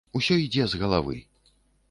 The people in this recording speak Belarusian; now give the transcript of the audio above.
Усё ідзе з галавы.